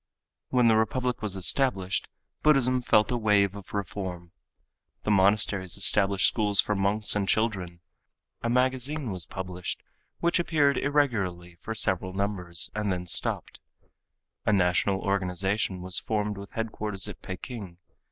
When the republic was established Buddhism felt a wave of reform. The monasteries established schools for monks and children. A magazine was published which appeared irregularly for several numbers and then stopped. A national organization was formed with headquarters at Peking.